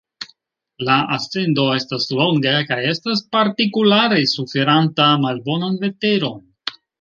La ascendo estas longa kaj estas partikulare suferanta malbonan veteron.